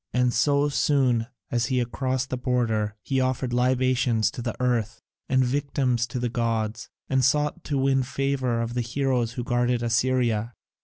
And so soon as he had crossed the border he offered libations to the Earth and victims to the gods, and sought to win the favour of the Heroes who guard Assyria.